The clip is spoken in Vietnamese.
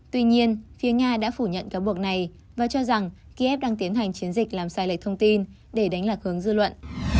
tuy nhiên phía nga đã phủ nhận cáo buộc này và cho rằng kiev đang tiến hành chiến dịch làm sai lệch thông tin để đánh lạc hướng dư luận